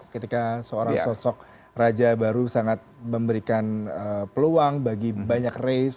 ketika seorang sosok raja baru sangat memberikan peluang bagi banyak race